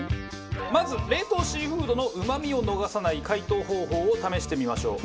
まず冷凍シーフードのうまみを逃さない解凍方法を試してみましょう。